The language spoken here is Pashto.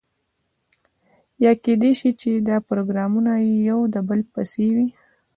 یا کیدای شي چې دا پروګرامونه یو د بل پسې وي.